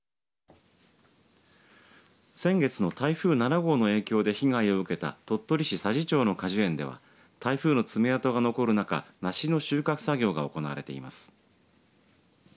先月の台風７号の影響で被害を受けた鳥取市佐治町の果樹園では台風の爪痕が残る中梨の収穫作業が行われています。